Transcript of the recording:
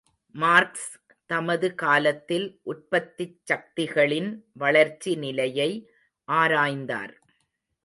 Marks தமது காலத்தில் உற்பத்திச்சக்திகளின் வளர்ச்சி நிலையை ஆராய்ந்தார்.